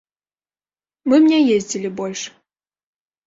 Мы б не ездзілі больш.